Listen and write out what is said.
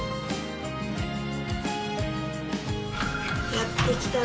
やって来たぜ。